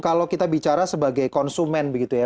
kalau kita bicara sebagai konsumen begitu ya